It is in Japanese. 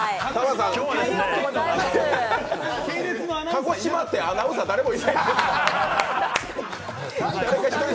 鹿児島ってアナウンサー誰もいないんですか？